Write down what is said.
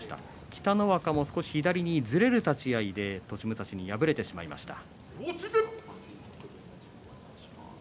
北の若も左にずれる立ち合いで栃武蔵に敗れてしまいました。